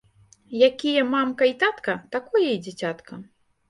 Якія мамка й татка, такое і дзіцятка.